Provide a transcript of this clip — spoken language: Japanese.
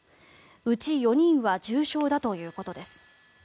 うち４人は重傷だということです。